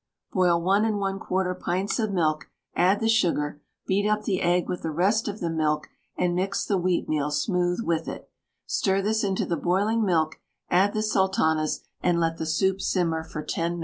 Boil 1 1/4 pints of milk, add the sugar, beat up the egg with the rest of the milk and mix the wheatmeal smooth with it; stir this into the boiling milk, add the sultanas, and let the soup simmer for 10 minutes.